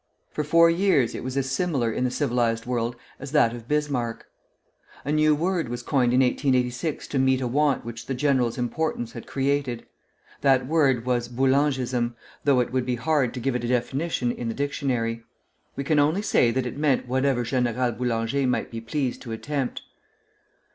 For four years it was as familiar in the civilized world as that of Bismarck. A new word was coined in 1886 to meet a want which the general's importance had created. That word was boulangisme, though it would be hard to give it a definition in the dictionary. We can only say that it meant whatever General Boulanger might be pleased to attempt.